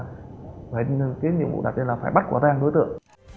những vụ đặt ra là phải bắt quà tang đối tượng